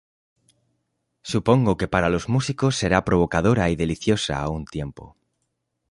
Supongo que para los músicos será provocadora y deliciosa a un tiempo.